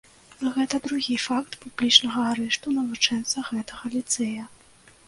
Гэта другі факт публічнага арышту навучэнца гэтага ліцэя.